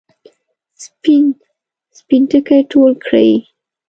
سپین، سپین ټکي ټول کړي